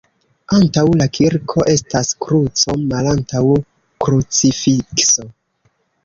Antaŭ la kirko estas kruco malantaŭ krucifikso.